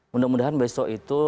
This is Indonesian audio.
mudah mudahan besok itu